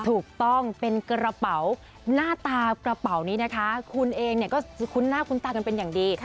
ถูกต้องเป็นกระเป๋าหน้าตากระเป๋านี้นะคะคุณเองเนี่ยก็คุ้นหน้าคุ้นตากันเป็นอย่างดี